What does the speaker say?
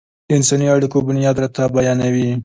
د انساني اړيکو بنياد راته بيانوي.